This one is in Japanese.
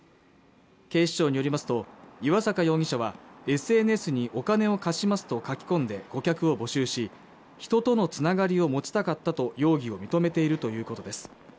警視庁によりますと岩坂容疑者はＳＮＳにお金を貸しますと書き込んで顧客を募集し人とのつながりを持ちたかったと容疑を認めているということです